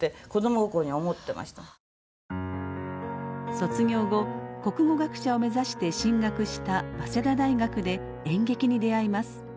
卒業後国語学者を目指して進学した早稲田大学で演劇に出会います。